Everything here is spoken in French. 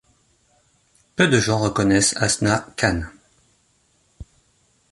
Peu de gens reconnaissent Hasnat Khan.